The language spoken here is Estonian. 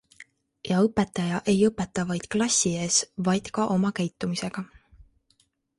Ja õpetaja ei õpeta vaid klassi ees, vaid ka oma käitumisega.